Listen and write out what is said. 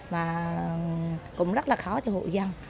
mà cũng rất là khó cho hộ dân